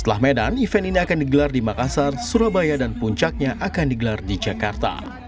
setelah medan event ini akan digelar di makassar surabaya dan puncaknya akan digelar di jakarta